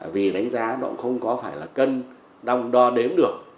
vì đánh giá nó cũng không phải là cân đồng đo